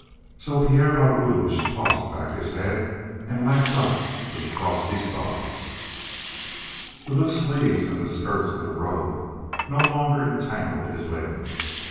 So Pierre le Rouge tossed back his head and laughed up to the frosty stars. The loose sleeves and the skirts of the robe no longer entangled his limbs.